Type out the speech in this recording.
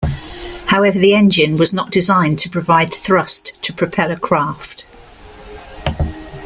However, the engine was not designed to provide thrust to propel a craft.